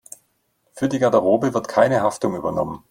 Für die Garderobe wird keine Haftung übernommen.